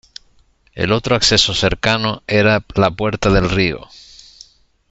El otro acceso cercano era la puerta del Río.